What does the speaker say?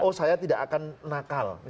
oh saya tidak akan nakal